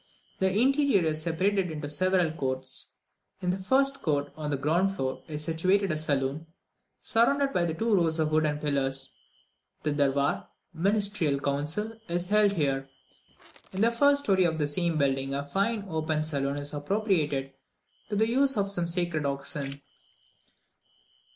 The interior is separated into several courts. In the first court, on the ground floor, is situated a saloon, surrounded by two rows of wooden pillars. The Durwar (ministerial council) is held here. In the first story of the same building a fine open saloon is appropriated to the use of some sacred oxen.